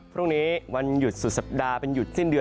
พรุ่งนี้วันหยุดสุดสัปดาห์เป็นหยุดสิ้นเดือน